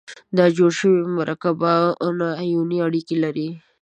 دا جوړ شوي مرکبونه آیوني اړیکې لري.